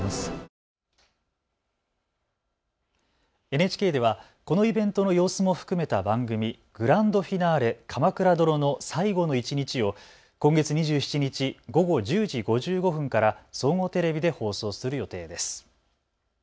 ＮＨＫではこのイベントの様子も含めた番組、グランドフィナーレ「鎌倉殿」の最後の一日を今月２７日、午後１０時５５分から総合テレビで放送する予定です。